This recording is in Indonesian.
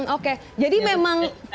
oke jadi memang